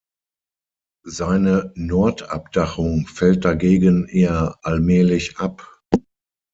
Seine Nordabdachung fällt dagegen eher allmählich ab.